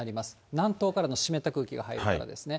南東からの湿った空気が入るからですね。